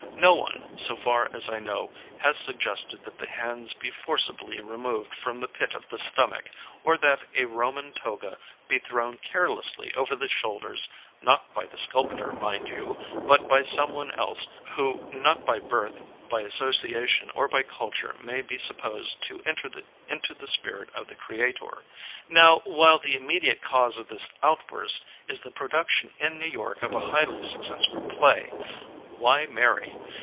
No one, so far as I know, has suggested that the hands be forcibly re moved from the pit of the stomach, or that a Roman toga be thrown carelessly over the shoulders, not by the sculptor, mind you, but by someone else wJio not by birth, by association, or by culture may be sup posed to enter into the spirit of the creator. Now, while the immediate cause of this outburst is the production in New York of a highly successful play, Why Marry?